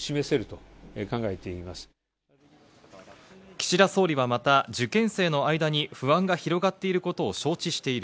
岸田総理はまた受験生の間に不安が広がっていることを承知している。